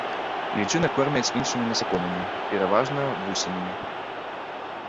Лічынак кормяць іншымі насякомымі, пераважна вусенямі.